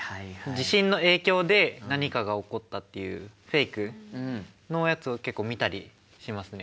地震の影響で何かが起こったっていうフェイクのやつを結構見たりしますね。